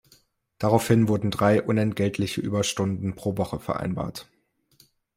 Daraufhin wurden drei unentgeltliche Überstunden pro Woche vereinbart.